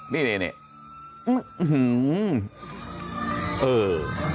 นี่นี่นี่